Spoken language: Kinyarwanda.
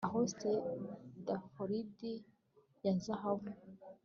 A host ya dafodili ya zahabu